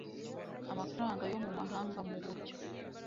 amafaranga yo mu mahanga mu buryo